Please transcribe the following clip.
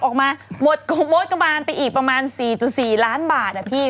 ออกมาหมดกระบานยิบประมาณ๔๔ล้านบาท